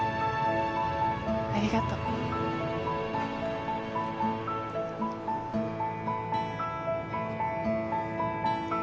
ありがとう。